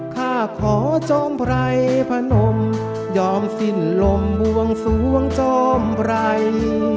ข้าขอจ้อมไพรพนมยอมสิ้นลมบวงสวงจอมไพร